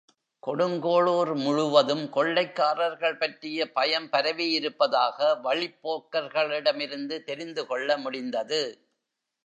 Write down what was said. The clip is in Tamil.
கொடுங்கோளூர் முழுவதும் கொள்ளைக்காரர்களைப் பற்றிய பயம் பரவியிருப்பதாக வழிப்போக்கர்களிடமிருந்து தெரிந்து கொள்ள முடிந்தது.